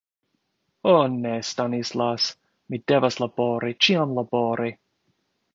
Ho ne, Stanislas, mi devas labori, ĉiam labori.